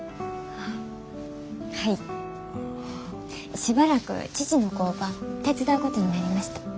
しばらく父の工場手伝うことになりました。